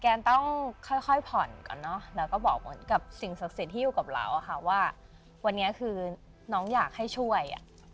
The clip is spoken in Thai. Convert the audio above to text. กันต้องค่อยป่อนก่อนเนาะแล้วก็บอกกับสิ่งศักดิ์จริงที่อยู่กับเรานี่คือน้องอยากให้ช่วย